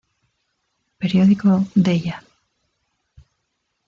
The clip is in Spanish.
Periódico Deia.